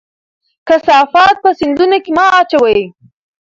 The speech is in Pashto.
کثافات په سیندونو کې مه اچوئ.